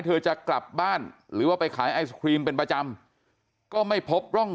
เธอจะกลับบ้านหรือว่าไปขายไอศครีมเป็นประจำก็ไม่พบร่อง